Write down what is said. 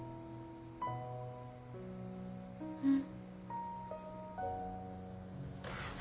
うん。